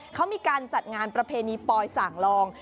เขามีการจัดงานประเพณีปอยส่างลอง